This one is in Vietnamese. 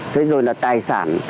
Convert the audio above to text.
thế rồi là tài sản